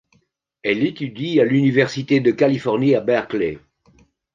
Elle étudie à l'Université de Californie à Berkeley.